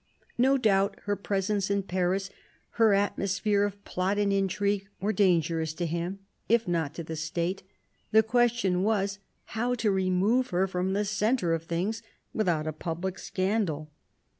No doubt her presence in Paris, her atmosphere of plot and intrigue, was dangerous to him, if not to the State. The question was, how to remove her from the centre of things without a public scandal.